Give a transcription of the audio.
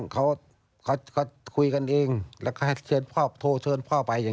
เพราะฉะนั้นเขาก็เลยนัดที่ร้านอาหาร